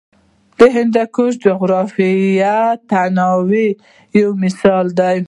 هندوکش د جغرافیوي تنوع یو مثال دی.